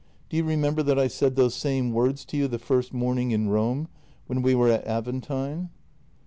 Do you remember that I said those same words to you the first morning in Rome, w'hen we were at Aventine?